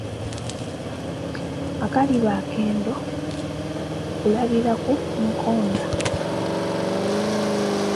Akaliba akendo okulabira ku mukonda.